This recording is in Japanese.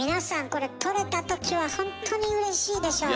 これ撮れた時はほんとにうれしいでしょうね。